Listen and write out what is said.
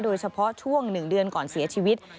โดยเฉพาะช่วง๑เดือนก่อนเสียชีวิต